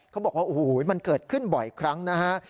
เขาบอกว่าโอ้โหมันเกิดขึ้นบ่อยครั้งนะฮะ